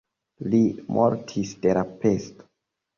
Li mortis de la pesto.